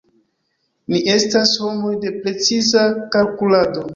Ni estas homoj de preciza kalkulado.